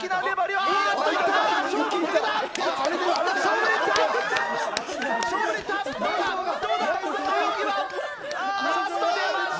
ああっと、出ました。